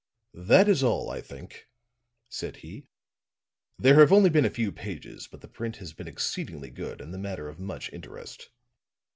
"That is all, I think," said he. "There have only been a few pages, but the print has been exceedingly good and the matter of much interest."